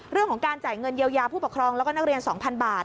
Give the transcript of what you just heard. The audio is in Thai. เรื่องของการจ่ายเงินเยียวยาผู้ปกครองแล้วก็นักเรียน๒๐๐บาท